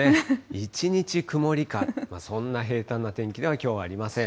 一日曇りか、そんな平たんな天気ではきょうはありません。